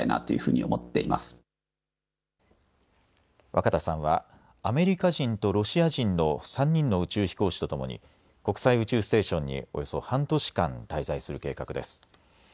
若田さんはアメリカ人とロシア人の３人の宇宙飛行士とともに国際宇宙ステーションにおよそ半年間、滞在する計画です。